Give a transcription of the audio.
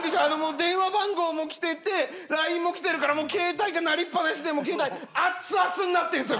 電話番号も来ててＬＩＮＥも来てるから携帯が鳴りっ放しであっつあつになってんすよ